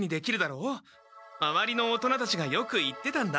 まわりの大人たちがよく言ってたんだ。